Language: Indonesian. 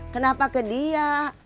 kenapa ke dia